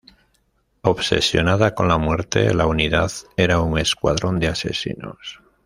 Obsesionada con la muerte, la unidad era un escuadrón de asesinos.